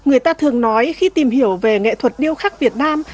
người ta thường nói khi tìm hiểu về nghệ thuật điêu khắc việt nam